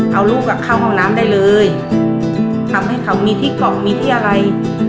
เอาลูกอ่ะเข้าห้องน้ำได้เลยทำให้เขามีที่กล่องมีที่อะไร